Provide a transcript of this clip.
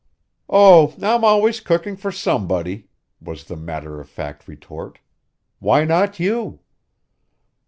"Oh, I'm always cooking for somebody," was the matter of fact retort. "Why not you?"